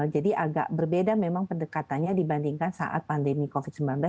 jadi agak berbeda memang pendekatannya dibandingkan saat pandemi covid sembilan belas